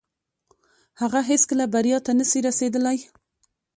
هغه هيڅکه بريا ته نسي رسيدلاي.